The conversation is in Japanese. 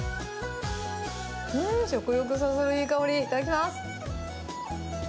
うん、食欲そそるいい香り、いただきます。